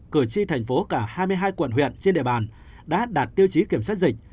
cử tri tp cả hai mươi hai quận huyện trên địa bàn đã đạt tiêu chí kiểm soát dịch